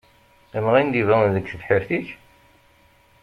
Mɣin-d ibawen deg tebḥirt-ik?